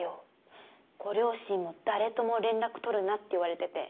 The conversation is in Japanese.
ご両親も誰とも連絡取るなって言われてて。